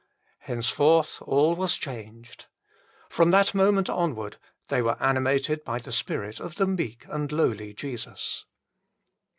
Hence forth all was changed. From that moment onwards they were animated by the spirit of the meek and lowly Jesus.